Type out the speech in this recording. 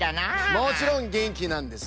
もちろんげんきなんです。